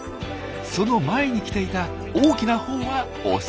その前に来ていた大きなほうはオス。